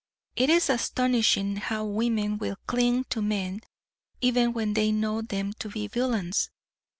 It is astonishing how women will cling to men even when they know them to be villains.